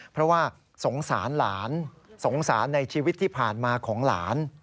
เพราะว่าสงสารหลานสงสารในชีวิตที่ผ่านมาของหลาน